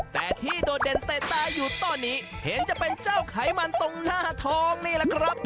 แต่ที่โดดเด่นเตะตาอยู่ตอนนี้เห็นจะเป็นเจ้าไขมันตรงหน้าทองนี่แหละครับ